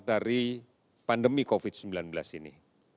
dari pandemi covid sembilan belas ini